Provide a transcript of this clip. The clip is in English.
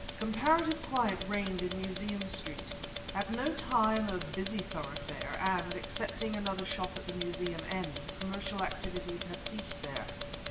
Comparative quiet reigned in Museum Street, at no time a busy thoroughfare, and, excepting another shop at the Museum end, commercial activities had ceased there.